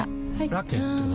ラケットは？